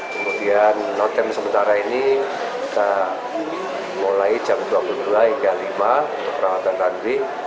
kemudian notem sementara ini kita mulai jam dua puluh dua hingga lima untuk perawatan runway